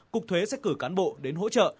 cục thuế sẽ cử cán bộ đến hỗ trợ